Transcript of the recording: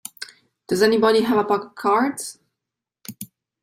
Does anybody have a pack of cards?